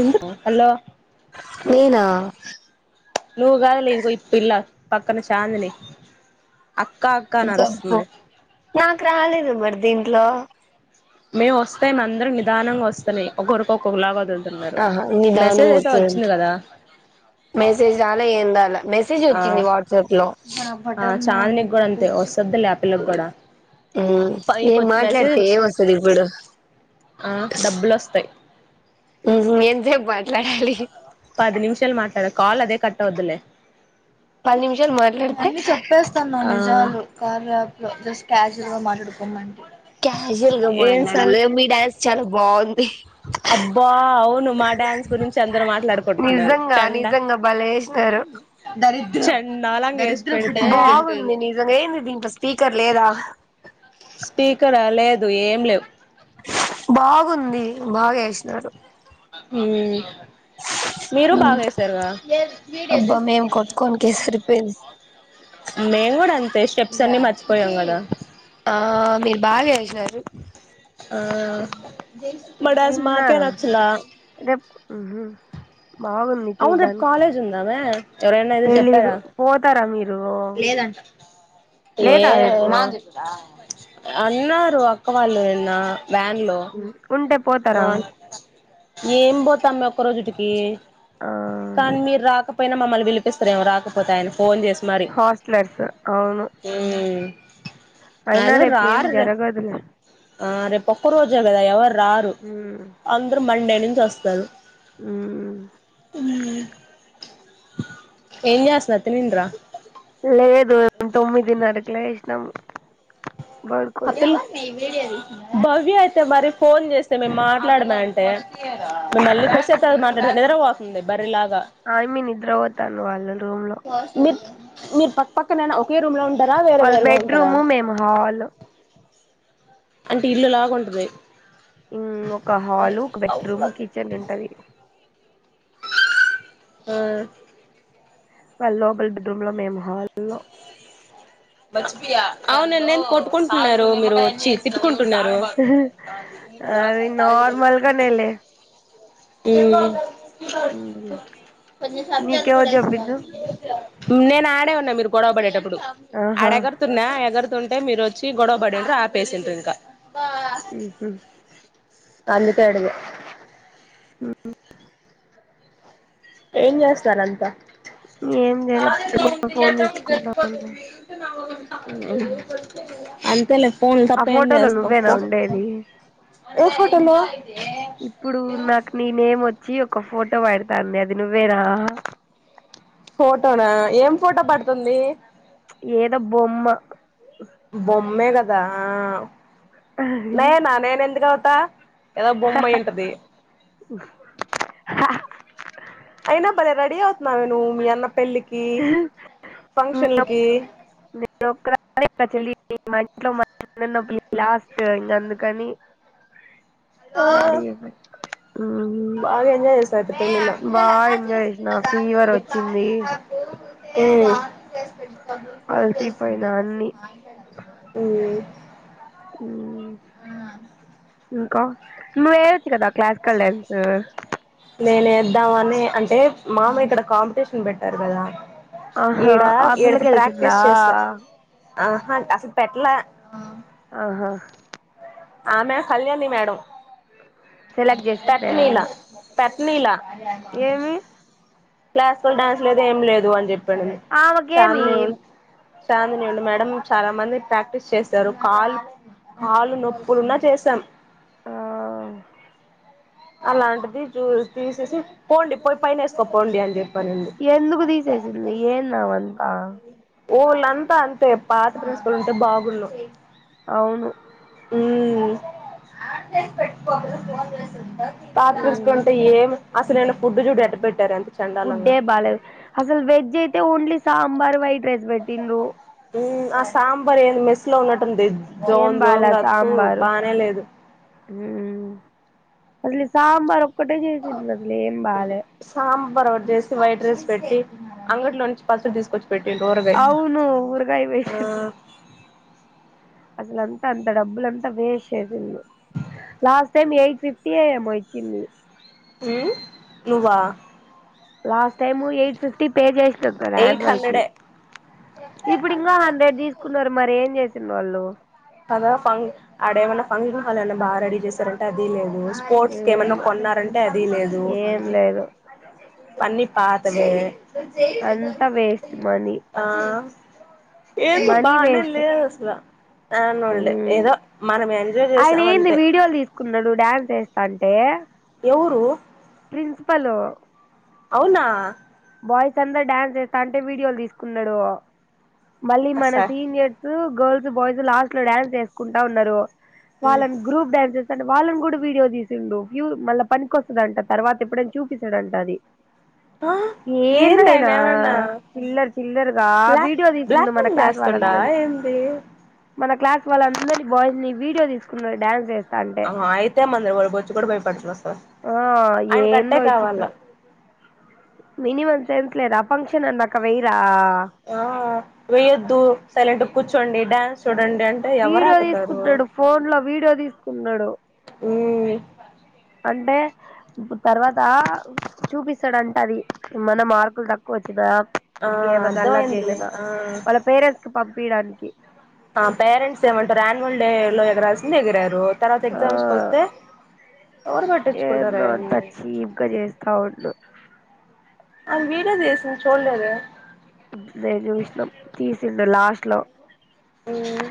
ఎందుక్ హలో నేనా నువ్వు కాదులే ఇదిగో పిల్ల పక్కన చాందినీ జేపు నాకు రాలేదు మరి దీట్లో. లో మేము వస్తే మ మా అందరం నిదానంగా వస్తున్నాయి. ఒకరికొక్కొ లావాది ఉంది. ఆహా నిదానం వస్తుందింట మెసేజ్ రాలా ఏందాల మెస మెసేజ్ వచ్చింది వాట్సాప్ లో చాలిని కూడా అంతే వస్తుంది. లే పిల్ల కి కూడా మ్మ్ ప ఈ ఏం కొంచెం మాట్లాడితే మెసేజ్ ఏం వస్తది ఇప్పుడు ఆ డబ్బులు వస్తాయి. ఎంతేబ్ బా పది నిమిషాలు మా తన కాల్ అదే కట్టవద్దులే పది నిమిషాలు మాట్లాడితే జ కార్ యాప్ లో జస్ట్ కజుల్ గా మాట్లాడుకోమండి. క్యాజువల్ గా మాట్లాడు లాగ మీ డాన్స్ చాలా బాగుంది. అబ్బా అవును మా డ్యాన్స్ గురించి అందరు మాట్లాడు కొట్టుకున్నారు. నిజంగా చండ నిజంగా భలే ఏసినారు దరి నాల బాగుంది నిజంగా ఏమి దీంట్లో స్పీకర్ లేదా. స్పీకరా లేదు, ఏం లేవు. బాగుంది బాగా స్ అహ్ మీరు బాగాఎసరుగా అబ్బా మేం కొట్టుకోనికే సరిపోయింది మేము కూడా అంత బెస్టస్టెప్స్ అన్ని మ ఆ మీరు బాగా సరే ఆ మాడాన్స్ మాకే తిన్నారా నచ్చలా రేప్ ఉహు అవును కాాలేజ్ ఉందామె. తెలిదు పోతారా మీరు లేదంట ఏ లేదా రేపు నాకు తెలీదా అన్నారు అక్కవాళ్ళు ఎన్నా ఉండె పోతరా ఏం పోతమ్మే ఒక్క రోజుటికి ఆ కన్ మీ రాక యినా మమ్మల్ని పిలిపిస్తరేమో రాకపోతే ఆయన ఫోన్ చేసి మరి హాస్టలర్స్ అవును అయిన మాక్సిమం రేప్ ఏం రారు రేపు జరగదులే ఆ రేప్ ఒక్క రోజే కదా ఎవర్ రారు ఉమ్ అందరు మండే నుంచ్ స్తరు ఉమ్ హమ్ ఎం జేస్తున్నర్ తినిన్ర లే లేదు తొమ్మిదినరకులే నువు ఆపిల్ భవ్య అయితే మరి ఫోన్ చేస్తే మేము మాట్లాడమ అంటే మేము మళ్ళీ [unintelligible] మాట్లాడుత పోతుంది బర్రీలాగ్ ఆ యమ్మీ నిద్రపోతాంది వాళ్ళ రూమ్ లో మీ మీరు పక్కపక్క నేన ఒకే రూమ్ లో ఉ వాళ్ళ బెడ్రూము మేము హల్ అంటే ఇల్లు లాగుంటది హమ్ ఒక హల్ ఒక బెడ్రూమ్ కిచన్ ఉంటది ఆ వాళ్ళ లోపల్ బెడ్రూమ్ లో మేము హాల్లో అవునండి నేను కొట్టుకుంటున్నారు మీరు చి తిట్టుకుంటున్నరు అది నార్మల్గానేలే హమ్ ప సాత్జలు నీకెవరు కూడాడస్ కా చెప్పిండ్రు నేను ఆడే ఉన్న మీర్ గొడవ పడేటప్పుడు ఇప్పుడు ఆడ ఆహా ఎగరుతున్నా ఎగరు ఉంటే మీరు వచ్చి గొడవ పడిండు ఆపేసిండ్రు ఇంకా ఉమ్మ్ అందుకే అడిగ ఉమ్మ్ ఏం చేస్తార్ అంత ఏం చేయాల పడుకొని ఫోన్ చూసుకుంటాన్న అంతేలే ఫోన్ లు ఆ తప్ప ఏం ఫోటోలో చేస్తావ్ నువ్వేనా ఫో ఉండేది ఏ ఫోటో లో ఇప్పుడు నాకు నీ నేమ్ వచ్చి ఒక ఫో ఇష్టపడతాంది అది నువ్వే నా ఫోటోనా ఏం ఫోటో పడుతుంది ఏదో బొమ్మ బోమ్ అమ్మే కదా నేనా నేను ఎందుకు తా ఏదో బొమ్మయి ఉంటది అయినా భలే రెడీ అవుతున్నావే నువు మీ అన్న పెళ్లి [unintelligible] నేను ఒక దానే చెల్లి మా ఇంట్లో మ ఇళ్లలో పెళ్లి లాస్ట్ ఇంక అందుకని రెడీ అయిపోయి బాగా ఎంజాయ్ చేసారు అట్ట బాగా అయితే ఎంజాయ్ చేసిన ఫీవర్ వచ్చింది హ్మ్ అలిసి పోయినా అన్ని ఉమ్ ఇంకా నువ్వు వేయొచ్చు కదా క్లాసికల్ డ్యాన్స్ నేనే ఎద్దామనే అంటే మామఇక్కడ కాంపిటీషన్ పెట్టారు కదా ఆహా ఈడ ఆ ఈడకి పిల్లకయాలు ప్రాక్టీస్ చేసా తిందాం ఆహా అసలు పెట్టలా ఆహా ఆమా కళ్యాణి మేడం సెలెక్ట్ తట్ చేసిందా మీలా నీలా ఏమి క్లాసికల్ డ్యాన్స్ లేదు ఏం లేదు అని చెప్ ఆమకేమి చాందిని ఉండి మేడం చాలా మంది ప్రాక్టీస్ చేస్తారు కాల్ హాలు నొప్పులున్నా చేసాం ఆ అలాంటిది చూ తీసేసి పోండి పోయి పైన వేసుకో పోండి అని చెప్ ఎందుకు తీసేసింది ఏంది ఆమెంతా ఓళ్ళంతా అంతే పాత ప్రిన్సిపల్ ఉంటే బాగున్ను అవును ఊ సానం జేసీ పెట్టుకోదు [unintelligible] తుపద్ పాత్రర్స్కుంటే ఏం అసలు నిన్న ఫుడ్ చూడు ఎట్ట పెట్టారు అం ఫుడ్ డే బాలేదు అసలు వెజ్ అయితే ఓన్లీస్ సాంబార్ వైట్ రైస్ పెట్టిన్రు ఊ ఆ సాంబార్ ఏంది మెస్ లో ఉన్నట్టు స్తుంది ఏం జోన్ బాల జోన్ తూ బానే లేదు ఊ అల్లి సాంబారు ఒక్కటే చేసింది అసలు ఏం బాలే పరోట చేసి వైట్ రైస్ పెట్టి అంగట్లో నుంచి పచ్చడి తీసుకొచ్చి పెట్టిండు ఊరగాయ అవును ఊరుకాయ ఆ వేసిండ్రు అసలంతా అంత డబ్బులంతా వేస్ట్ చేసింది లాస్ట్ టైం ఎయిట్ ఫిఫ్టీ ఏమో ఇచ్చింది ఊ నువ్వా last time eight fifty pay చేస్ చెప్తాడు ఎయిట్ ఆన్వాల్కి హండ్రెడే ఇప్పుడు ఇంకా హడ్రెడ్ తీసుకున్నారు మరి ఏం చేస్ ఉన్నోళ్ళు పద ఫాం ఆడ ఏమైన్నా ఫంక్షన్ హాల్ ఏన్నా బాగా రెడీ చేశారంటే అదీ లేదు స్పోర్ట్స్ కే ఏం ఏమన్నా కొన్నారంటే అది లేదు ఏం లేదు అన్ని పాతవే అంతా వేస్ట్ మనీ ఆ ఏందొ మనీ బానే వేస్ట్ లేదసలా అయనోల్డ్ ఏ ఏదో మనం ఎంజాయ్ ఆయన ఏంది చేసామంటే వీడియోలు తీసుకున్నాడు డ్యాన్స్ అంటే ఎవురు ప్రిన్సిపలు అవునా బాయిస్ అందరు డ్యాన్స్ చేస్తంటే వీడియోలు తీసుకున్నాడు మళ్ళీ అస మన సీనియర్స్ ఊ గర్ల్స్ బాయ్స్ లాస్ట్ లో డ్యాన్స్ చేేసుకుంటా ఉన్నారు వాళ్ళని గ్రూప్ డ్యాన్సెస్ అంటే వాళ్ళని కూడా వీడియో తీసిండు వ్యూ మళ్ళా పనికొస్తాదంట తర్వాత ఎప్పుడని చూపిస్తాడంట అది ఆ ఏంది ఏందైనా ఆయన ఏమన్నా చిల్లర్ చిల్లరుగా బ్లాక్ వీడియో తీసిండు బ్లాక్ మన మెయిల్ క్లాస్ చేస్తుండా వాళ్ళందర్ని ఏంది మన క్లాస్ వాళ్ళందర్ని బాయ్స్ ని వీడియో తీసుకున్నారు డ్యాన్స్ చేస్ ఆ అయితే మందరి వాళు వొచ్చు కూడా భయపడుతున్నాడు సార్ ఆ ఆయన కట్టే ఏందో ఈ కావాల చిత్రం మినిమం సెన్స్ లేదా ఫంక్షన్ అన్నాక వెయరా ఆ వెయ్యద్దు సైలెంట్ కూర్చ్ సండే వీడియో తీసుకుంటున్నాడు ఫోన్ లో వీడియో తీసుకుంటున్నాడు మ్మ్ అంటే ఇప్పుడు తర్వాత చూపిస్తాడంట అది ఏమన్నా మార్కులు తక్కువ వచ్చినా ఆ ఇంకేమ అల్లరి అర్థమైందిలే చేసినా ఆ వాళ్ళ పేరెంట్స్ కి పంప్ పీడానికి ఆ పేరెంట్స్ ఏమంటారు యాన్వల్ డే లో ఎగరాల్సింది ఎగరారు తర్వాత ఆ ఎగ్జామ్స్కి వస్తే ఎవరు పట్టించుకుంటారు ఏందో అంత చీప్ గా చేస్తా ఉండు అ వీడ తీస చుల్లేద నేను విషణం తీసిండు లాస్ట్ లో మ్మ్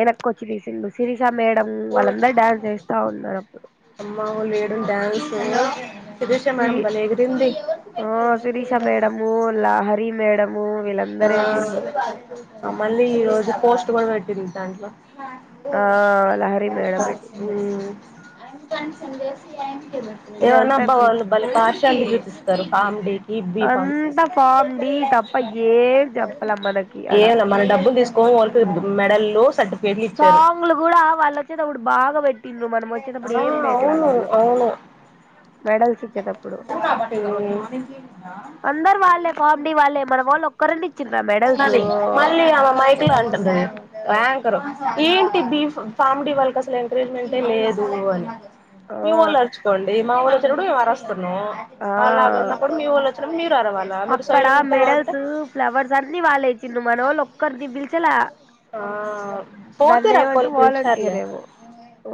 ఏన కా సిరి సిండు సిరీ షా మేడం వాళ్ళందర్ డ్యాన్స్ చేస్తా ఉన్నారు అప్పుడు అమ్మ లేడు డ్యాన్స్ శిరీష మేడం సిరి భలే ఎగిరింది ఆ శిరీష మేడము హరి మేడము వీళ్ళందరూ వేసిండ్రు ఆ మళ్ళీ ఈ రోజు పోస్ట్ కూడ పెడ్ పెరి దాంట్లో ఆ లహరి మేడం పెట్టింది హుమ్ అయిమ్ పని సందేసి అయిమ్ ఇదంతా ఏవనాబ్బా వాళ్ ప్రిన్సిపల్ బలే పార్టియాలిటీ జుప్ ఇస్తరు కామ్ డీ ఇబ్బి ఫామ్స్ ఏసి అంతా ఫామ్ డి తప్ప ఏం చెప్పలే మనకి ఆడ ఏం లే మన డబ్బులు తీసుకోన్ వోల్ పి మెడల్ రో సడ్డూ సాంగ్లు కూడా వాళ్ వచ్చేతప్పుడు బాగా పెట్టిన్ మనం వచ్చేటప్పుడు ఆ ఏం పెట్లా అవును అసలు, అవును మెడల్స్ ఇచ్చేటప్పుడు. కొరండి ఉన్నాది మళ్ ఆమె మైకుల్ అంటుంది ర్యాంకరు ఏంటి దీఫ్ పామిడి వాలకసల్ ట్రీట్మెంటె లేదు అని ఆ మీవొల్ అర్చుకొండి మా వొల్ తిరుడు ఈ వారోస్త ఆ అలాగున్నప్పుడు మీ వోళ్ళు వచ్చినప్పుడు మీరు అరవాలా మీరు అక్కడ సైలెంట్ గా ఉంటే మెడల్స్ ఫ్లవర్స్ అన్ని వాళ్ళేచ్చిన్రు మనవోళ్ళు ఒక్కరిని పిలిచలా ఆ పోతే దాన్ని ఏమంట్రు రాకపోలు వాలంటీయర్ పిలిచారులే ఏమో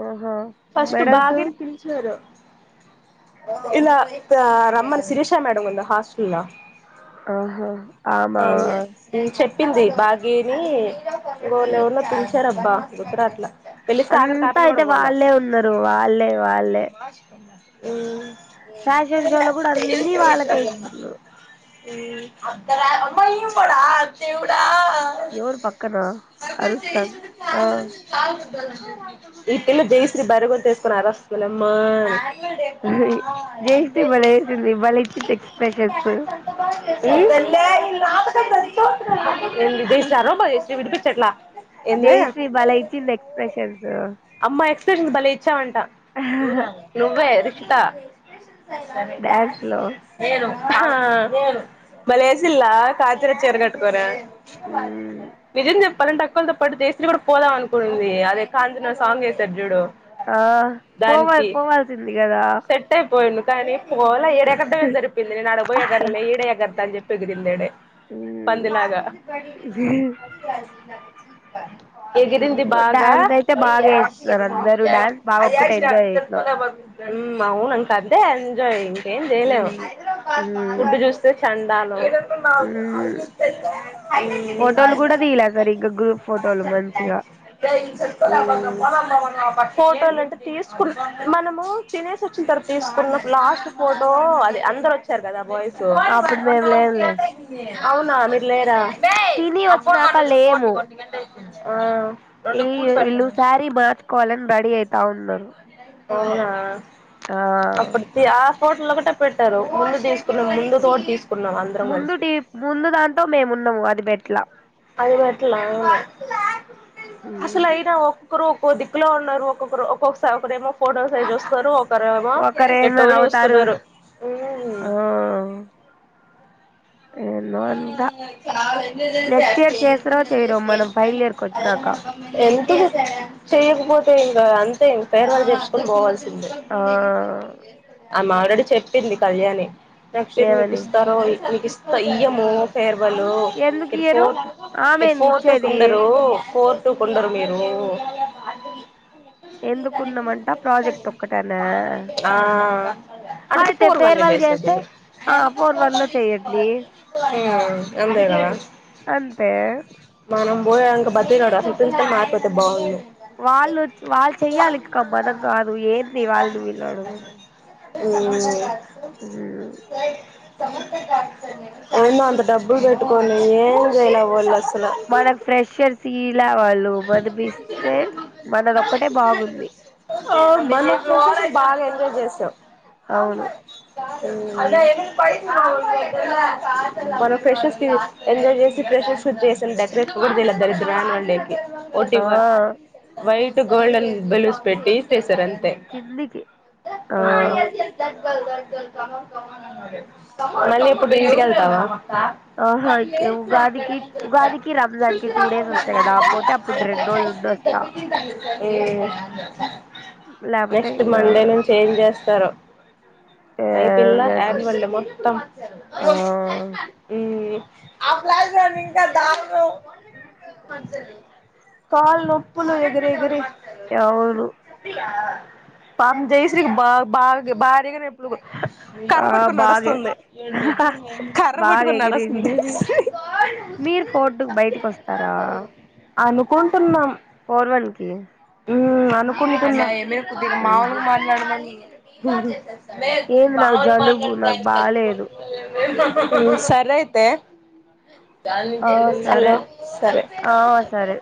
ఆహ ఫస్ట్ మెడల్స్. బాగా పిలిచారు ఇలా రమ్మని శిరీష మేడం ఉందా హాస్టల్లో ఆహా ఆమె చెప్పింది బాగీని ఇంగోళు ఎవళ్నో పిలిచడం బా గుర్తురాట్ల అంతా అయితే వాళ్ళే ఉన్నారు వాళ్ళే వాళ్ళే ఉమ్ ఫ్యాషన్ షోలో కూడా అన్ని వాళ్ళకే ఇచ్చిళ్లు మ్మ్ అర్దరాత్ అమ్మయ్యో వుడా దేవుడా ఎవరు పక్కన అరుస్తాన్ ఆ ఈ పిల్ల జయశ్రీ బర్రె గొంతు ఎస్కొని అరస్ వలమ్మా జయశ్రీ భలే వేసింది భలే ఇచ్చింది [inaudible] ఎక్స్ప్రెషన్స్ [unintelligible] [unintelligible] ఎట్లా జైశ్రీ భలే ఇచ్చింది ఎక్స్ప్రెషన్స్ అమ్మ ఎక్స్ప్రెషన్స్ భలే ఇచ్చావంటే నువ్వే తా డ్యాన్స్ లో [inaudible] ఎవరు భలే ఏసీల్లా కాతిరే చీర గట్టుకోనా మ్మ్ నిజం జేప్ కావాలంటే అక్కలతో పాటు జయశ్రీ కూడా పోదాం అనుకుంది అదే కాంచన సాంగ్ ఏసారు చూడు ఆ పోవాలి దానికి పోవాల్సింది కదా తాని ఓలా ఇడా ఎగరడమే సరిపోయింది నేను ఆడికి పోయి ఎగరలే ఈడే ఎగురుతా అని చెప్పి ఎగిరింది ఈడే మ్మ్ పందిలాగా ఎగిరింది బాగా డాన్స్ అయితే బాగా వేస్తున్నారు అందరూ డాన్స్ బాగా ఒక్కటి ఎంజాయ్ చేసినాం హ్మ్ అవునంట అది తే ఎంజాయ్ ఇంకేం జేయలేం మ్మ్ మ్మ్ ఫుడ్డు చూస్తే చందలో మ్మ్ ఫోటోలు కూడా తీయలే సరిగ్గా గ్రూప్ ఫోటోలు మంచిగా [unintelligible] ఉమ్ ఉమ్ ఫోటోలుంటే తీసుకున్ మనము తినేసోచ్చి తరుత్ తీసుకున్న లాస్ట్ ఫోటో అదే అందరోచ్చారు గదా బాయ్స్ సు అప్పుడు మేము లేంలే అవునా మిర్లేరా తిని వచ్చినాక లేము ఆ ఈ వీళ్ళు శారీ మార్చుకోవాలన్ రెడీ అయితా ఉన్నారు అవునా ఆ అప్పుడు తీ ఆ ఫోటోలోకటె పెట్టారు ముందు దిసుకున్న ముందు తోట్ దిసు కున్నాం అందరం ముందు కలిసి టీ ముందు దాంతో మేమున్నాము అది బెట్లా అది మట్లా అసలు అయినా ఒక్ క్కరు ఒక్కో దిక్కులో ఉన్నారు. ఒక్కొక్కరు ఒక్కొక్కసా ఒకరేమో ఫోటోస్ [unintelligible] జుస్తారు ఒక్కరెందో నవ్వుతారు ఊ నెక్స్ట్ ఇయర్ చేస్తారో చేయరో మనం ఫైనల్ ఇయర్ కి వచ్చినాక ఎంతుకు చేయకపోతే ఏం గాదు అంతే ఇంక్ ఫర్వేల్ జార్పుకొన్ భోవాల్సిన్ ఆ అమ్మ్ ఆల్రెడీ చెప్ పింది కళ్యాణి నెక్స్ట్ ఇయర్ మీక్ ఏమని ఇస్తారో ఈ మిక్ ఇస్ ఇయ్యమో ఫేర్ వాళ్ళు ఎందుకు మీర్ ఫో ఇయ్యరు మీర్ ఆమెంది ఇచ్చేది ఫోటోకుండరు ఫోర్ టు కుండరు మీరు ఎందుకున్నామంట ప్రాజెక్ట్ ఒక్కటనా. ఆ అడితే అయితే ఫోర్ వన్ ఫేర్వల్ చేసేది జేస్తే ఆ ఫోర్ వన్ లో చేయ్యండి హ్మ అంతేగదా అంతే క్ బతిగడ సు ప్రిన్సిపాల్ మారిపోతే భాగుండ్ను వాళ్ళు చ్ వాళ్ళు చెయ్యాలిక్క మనం గాదు ఏంది వాళ్ళనీ వీల్ని అడుగు ఉ మ్ మ్ సమర్థకార్చర్్యలు ఏం అంత డబ్బు పెట్టుకొని ఏం చెయ్ లా వాళ్ళస్ సలు మనకు ఫ్రెషర్స్ ఇలా వాళ్ళు మనమిస్తే మనది ఒక్కటే బాగుంది [unintelligible] బాగా ఎంజాయ్ చేశా అవును ఉమ్ పైస మనం ఫ్రెషర్స్ తివి ఎంజాయ్ చేసి ఫ్రెషెస్ చేసాం డెకరేషన్ కూడా చెయ్ లా దరిద్రానండి ఆ ఓటివ వైట్ ట్ గోల్డన్ బెలూస్ పెట్టి చేశారన్ తే కిందికి ఆ మళ్ళీ ఇప్పుడు ఇంటికెళ్ తావా ఉమ్మ్ ఆ ఆహా ఉగాదికి ఉగాదికి రంజాన్ కి టూ డేస్ వస్తాయి కదా పోతే అప్పుడు రెండు రోజులు ఉండొస్తా లేకపోతే నెక్స్ట్ ఇంగా మండే నుంచి ఏం చేస్తారో అయిపొయిల్లా యాన్యువల్ డే మొత్తం ఆ ఉమ్మ్ ఆలాజ ఇంకా దామ్ మలి కాళ్ నొప్పులు ఎగిరెగిరి ఎవరు పామ్ జయశ్రీ కి బా బాగ్ భారీగా నెప్పులు కర్ర ఆ బట్టుకొని బాగే నడుస్తుంది బాగా పట్టుకొని నడుస్తుంది ఎగిరింటేది మీరు ఫోర్టుకు బైటికొస్తారా అనుకోన్ తున్నాం ఉమ్ అను కున్ని కున్నా కొద్దిగా మాములుగా మాట్లాడమన్ బరే సది ఏంది బా నాకు జలుబు మాట్లాడు నాకు బాలేదు సరైతే ఆ సరే ఆ సరే